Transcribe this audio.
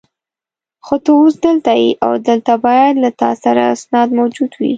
خو ته اوس دلته یې او دلته باید له تا سره اسناد موجود وي.